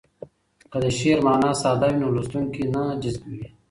که د شعر مانا ساده وي نو لوستونکی نه جذبوي.